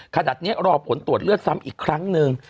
ขนาดนี้รอผลตรวจเลือดซ้ำอีกครั้งหนึ่ง